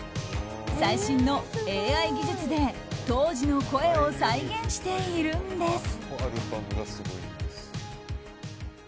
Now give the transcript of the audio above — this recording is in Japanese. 最新のＡＩ技術で当時の声を再現しているんです。